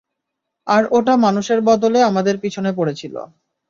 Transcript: আর ওটা মানুষের বদলে আমাদের পিছনে পড়েছিল।